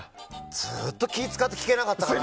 ずっと気使って聞けなかったからね。